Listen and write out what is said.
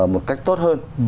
một cách tốt hơn